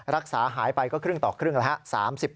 รักษาหายไปก็ครึ่งต่อครึ่งแล้วครับ